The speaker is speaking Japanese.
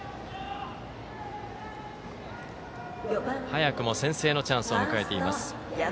早くも先制のチャンスを迎えています。